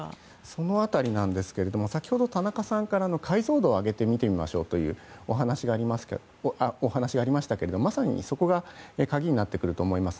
その辺りですが先ほど田中さんから解像度を上げて見てみましょうというお話がありましたけれどもまさにそこが鍵になってくると思います。